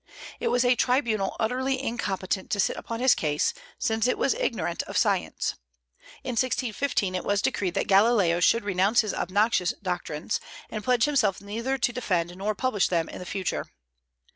It was a tribunal utterly incompetent to sit upon his case, since it was ignorant of science. In 1615 it was decreed that Galileo should renounce his obnoxious doctrines, and pledge himself neither to defend nor publish them in future.